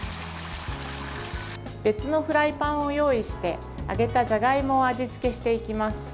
別のフライパンを用意して揚げたじゃがいもを味付けしていきます。